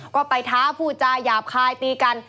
ก็ไปท้าพูดจาหยาบคายตีกัน